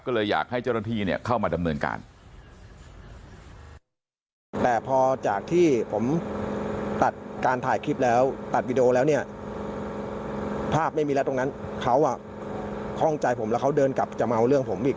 ก็เลยอยากให้เจ้าหน้าที่เข้ามาดำเนินการ